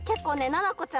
ななこちゃんがね